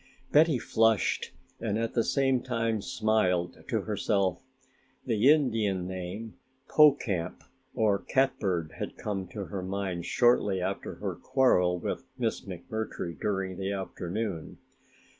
Betty flushed and at the same time smiled to herself. The Indian name "Pokamp" or catbird had come to her mind shortly after her quarrel with Miss McMurtry during the afternoon.